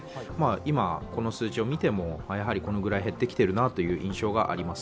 今、この数字をみても、やはりこのくらい減ってきているなという印象があります。